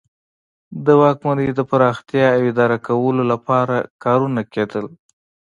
د واکمنۍ د پراختیا او اداره کولو لپاره کارونه کیدل.